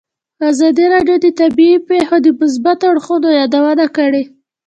ازادي راډیو د طبیعي پېښې د مثبتو اړخونو یادونه کړې.